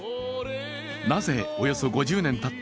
なぜおよそ５０年たった